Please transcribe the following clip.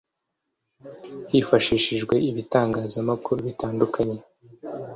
hifashishijwe ibitangazamakuru bitandukanye